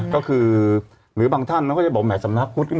ก็คือหรือบางท่านมันก็จะบอกหมายสำนาคกุฏครับ